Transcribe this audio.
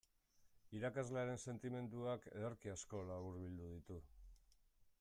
Irakaslearen sentimenduak ederki asko laburbildu ditu.